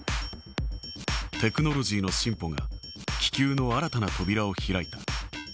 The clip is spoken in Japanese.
テクノロジーの進歩が、気球の新たな扉を開いた。